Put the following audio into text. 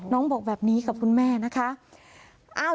บอกแบบนี้กับคุณแม่นะคะ